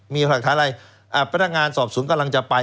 มีหลักฐานอะไรพนักงานสอบสวนกำลังจะไป